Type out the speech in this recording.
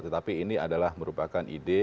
tetapi ini adalah merupakan ide